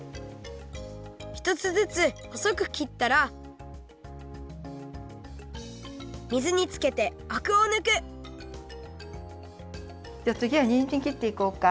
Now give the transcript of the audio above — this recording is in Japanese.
１つずつほそくきったら水につけてアクをぬくじゃあつぎはにんじんきっていこうか。